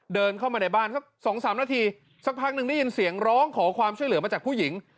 เดินเข้ามาในบ้านสัก๒๓นาทีสักพักหนึ่งได้ยินเสียงร้องขอความช่วยเหลือมาจากผู้หญิง